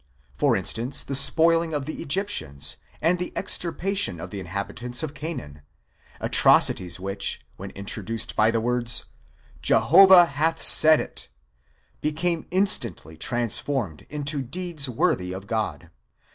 For instance, the spoiling of the Egyptians, and the extirpation of the inhabitants of Canaan; atrocities which, when introduced by the words " Jehovah hath said it," became instantly transformed into deeds worthy of God.